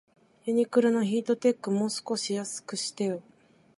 ユニクロのヒートテック、もう少し安くしてよ